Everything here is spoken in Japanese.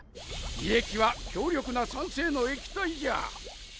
胃液は強力な酸性の液体じゃ。